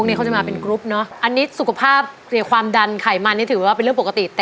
เขาจะมาเป็นกรุ๊ปเนอะอันนี้สุขภาพเสียความดันไขมันนี่ถือว่าเป็นเรื่องปกติแต่